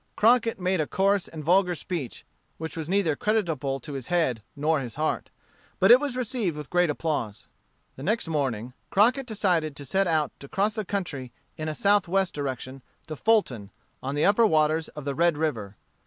Crockett made a coarse and vulgar speech, which was neither creditable to his head nor his heart. But it was received with great applause. The next morning Crockett decided to set out to cross the country in a southwest direction, to Fulton, on the upper waters of the Red River.